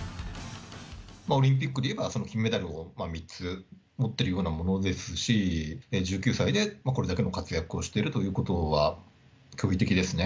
オリンピックで言えば、金メダルを３つ持っているようなものですし、１９歳で、これだけの活躍をしてるということは、驚異的ですね。